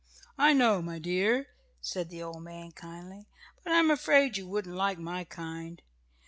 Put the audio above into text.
"I know, my dear," said the old man kindly, "but I am afraid you wouldn't like my kind.